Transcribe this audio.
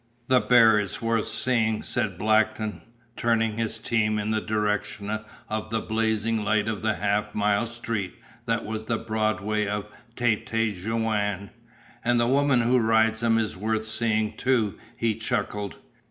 "The bear is worth seeing," said Blackton, turning his team in the direction of the blazing light of the half mile street that was the Broadway of Tête Jaune. "And the woman who rides him is worth seeing, too," he chuckled.